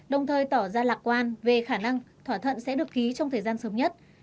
đồng thời tỏ ra lạc quan về khả năng thỏa thuận sẽ được ký trong thời gian sớm nhất